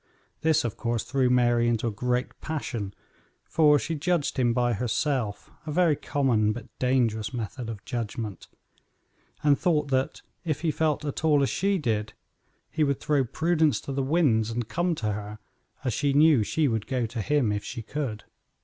This, of course, threw Mary into a great passion, for she judged him by herself a very common but dangerous method of judgment and thought that if he felt at all as she did, he would throw prudence to the winds and come to her, as she knew she would go to him if she could.